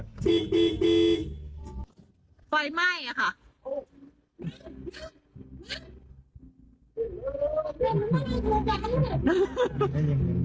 มีไฟไหม้อะค่ะ